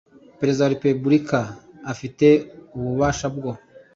Perezida wa Repubulika afite ububasha bwo